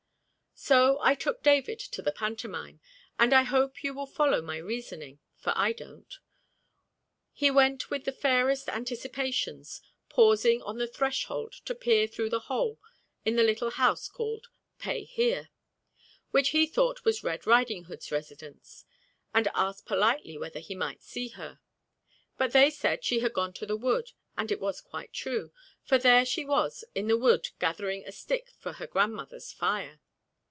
So I took David to the pantomime, and I hope you follow my reasoning, for I don't. He went with the fairest anticipations, pausing on the threshold to peer through the hole in the little house called "Pay Here," which he thought was Red Riding Hood's residence, and asked politely whether he might see her, but they said she had gone to the wood, and it was quite true, for there she was in the wood gathering a stick for her grandmother's fire.